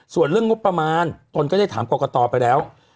ส่วนเรื่องงบประมาณตนก็ได้ถามกรกตไปแล้ว